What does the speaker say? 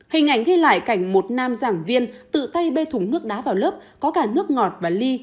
hình ảnh ghi lại cảnh một nam giảng viên tự tay bê thùng nước đá vào lớp có cả nước ngọt và ly